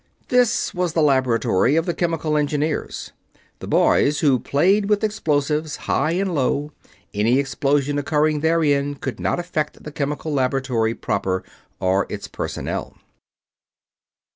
This was the laboratory of the Chemical Engineers, the boys who played with explosives high and low; any explosion occurring therein could not affect the Chemical Laboratory proper or its personnel.